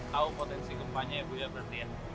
tahu potensi gempanya ya bu ya berarti ya